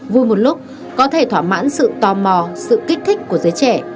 vui một lúc có thể thỏa mãn sự tò mò sự kích thích của giới trẻ